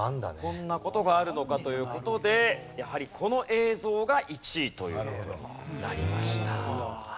こんな事があるのかという事でやはりこの映像が１位という事になりました。